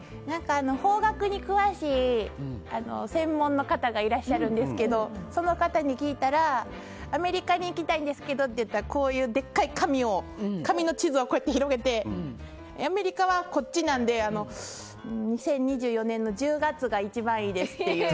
方角に詳しい専門の方がいらっしゃるんですけどその方に聞いたらアメリカに行きたいんですけどって言ったらでかい紙の地図を広げてアメリカはこっちなので２０２４年の１０月が一番いいですっていう。